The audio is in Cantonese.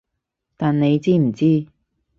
但你知唔知？